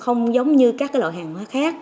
không giống như các loại hàng khác